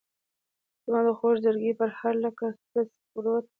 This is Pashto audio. زمادخوږزړګي پرهاره لکه سره سکروټه